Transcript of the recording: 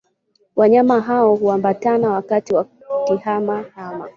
Wanyama hao huambatana wakati wa kihama hama